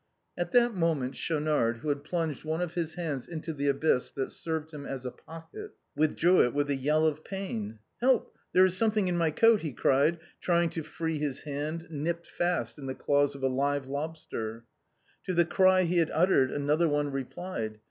At that moment Schaunard, who had plunged one of his hands into the abyss that served him as a pocket, withdrew it with a yell of pain. " Help, there is something in my coat !" he cried, try ing to free his hand, nipped fast in the claws of a live lob ster. To the cry he had uttered another one replied.